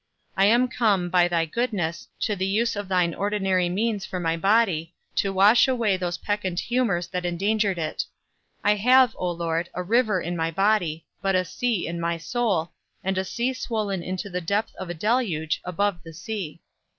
I am come, by thy goodness, to the use of thine ordinary means for my body, to wash away those peccant humours that endangered it. I have, O Lord, a river in my body, but a sea in my soul, and a sea swollen into the depth of a deluge, above the sea.